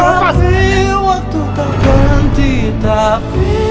sama siapa sekarang kita ari